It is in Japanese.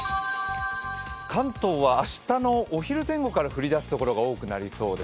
関東は明日のお昼前後から降り出すところが多くなりそうです。